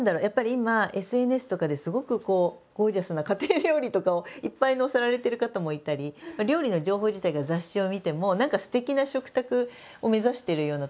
今ＳＮＳとかですごくゴージャスな家庭料理とかをいっぱい載せられてる方もいたり料理の情報自体が雑誌を見ても何かすてきな食卓を目指してるようなところがあって。